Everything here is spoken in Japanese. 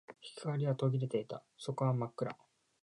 光は途切れていた。底は真っ暗。